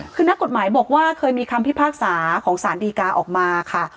คือนักกฎหมายบอกว่าเคยมีคำพิพากษาของสารดีกาออกมาค่ะ